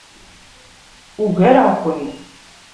Ugareɣ-ken.